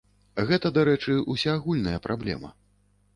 Гэта, дарэчы, усеагульная праблема.